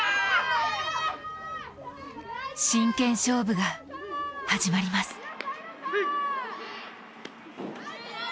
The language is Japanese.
真剣勝負が始まります。